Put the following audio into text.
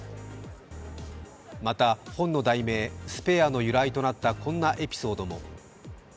また、本の題名「スペア」の由来となった、こんなエピソードも。